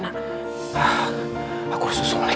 fahri harus tau nih